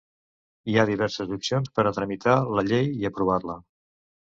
Hi ha diverses opcions per a tramitar la llei i aprovar-la.